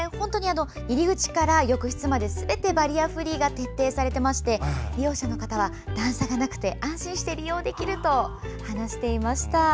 入り口から浴室まですべてバリアフリーが徹底されていまして利用者の方も段差がなくて安心して利用できると話していました。